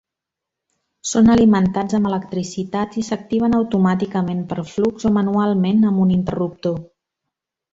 Són alimentats amb electricitat i s'activen automàticament per flux o manualment amb un interruptor.